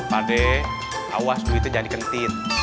pak deh awas duitnya jangan dikentit